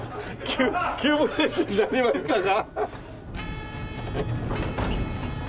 急急ブレーキになりましたが。